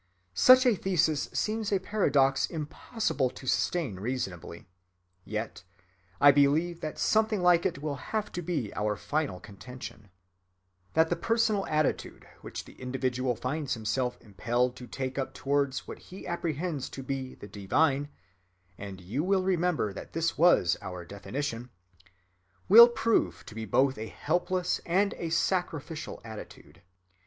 Such a thesis seems a paradox impossible to sustain reasonably,—yet I believe that something like it will have to be our final contention. That personal attitude which the individual finds himself impelled to take up towards what he apprehends to be the divine—and you will remember that this was our definition—will prove to be both a helpless and a sacrificial attitude.